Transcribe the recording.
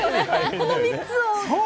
この３つを。